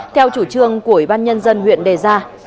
theo chủ trương của ủy ban nhân dân huyện đề ra